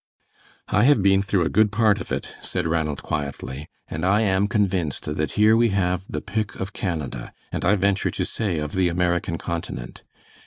"I have been through a good part of it," said Ranald, quietly, "and I am convinced that here we have the pick of Canada, and I venture to say of the American Continent.